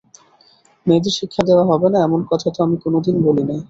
মেয়েদের শিক্ষা দেওয়া হবে না, এমন কথা তো আমি কোনোদিন বলি নে।